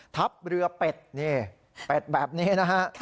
ทับเรือเป็ดนี่เป็ดแบบนี้นะฮะ